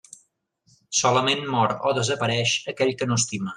Solament «mor» o «desapareix» aquell que no estima.